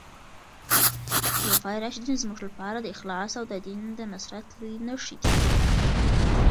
خلفای راشدین زموږ لپاره د اخلاص او د دین د نصرت لويې نښې دي.